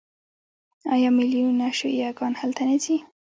آیا میلیونونه شیعه ګان هلته نه ځي؟